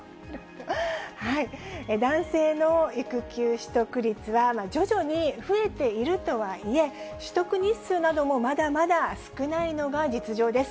男性の育休取得率は徐々に増えているとはいえ、取得日数などもまだまだ少ないのが実情です。